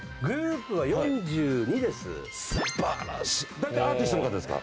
だいたいアーティストの方ですか？